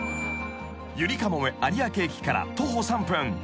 ［ゆりかもめ有明駅から徒歩３分］